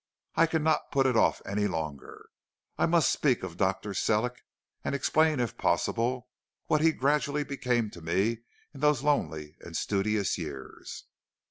I cannot put it off any longer. I must speak of Dr. Sellick, and explain if possible what he gradually became to me in those lonely and studious years.